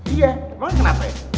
iya emang kenapa ya